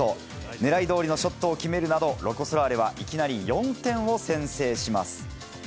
ねらいどおりのショットを決めるなど、ロコ・ソラーレはいきなり４点を先制します。